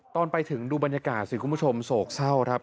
ตอนไปถึงดูบรรยากาศสิคุณผู้ชมโศกเศร้าครับ